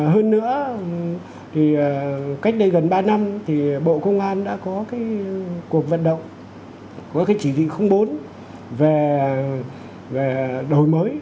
hơn nữa thì cách đây gần ba năm thì bộ công an đã có cái cuộc vận động của cái chỉ thị bốn về đổi mới